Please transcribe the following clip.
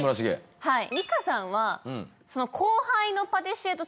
はい